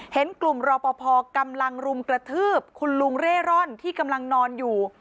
เห็นกลุ่มรอปภกำลังรุมกระทืบคุณลุงเร่ร่อนที่กำลังนอนอยู่